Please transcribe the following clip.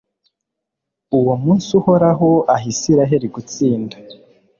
uwo munsi uhoraho aha israheli gutsinda